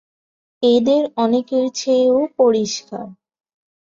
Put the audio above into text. এদের অনেকের চেয়ে ও পরিষ্কার।